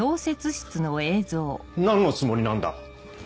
何のつもりなんだ？